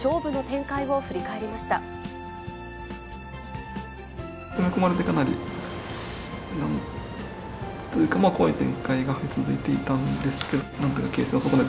攻め込まれて、かなり、なんというか、怖い展開が続いていたんですけど。